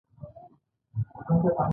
مړه ته د آخرت دنیا روښانه غواړو